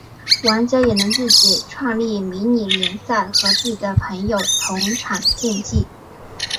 玩家也能自己创立迷你联赛和自己的朋友同场竞技。